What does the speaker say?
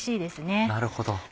なるほど。